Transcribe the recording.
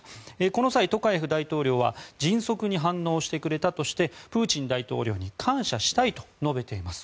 この際、トカエフ大統領は迅速に反応してくれたとしてプーチン大統領に感謝したいと述べています。